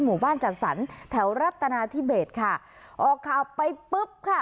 หมู่บ้านจัดสรรแถวรัฐนาธิเบสค่ะออกข่าวไปปุ๊บค่ะ